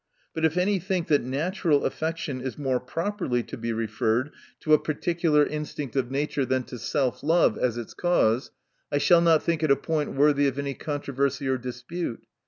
But if any think, that natural affection is more properly to be referrc 1 to a particular instinct of nature, than to self love, as its cause, I shall not think it a point worthy of any controversy or dispute.